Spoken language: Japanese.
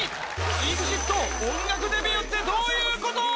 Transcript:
ＥＸＩＴ、音楽デビューってどういうこと？